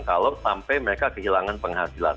kalau sampai mereka kehilangan penghasilan